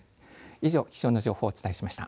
以上気象の情報、お伝えしました。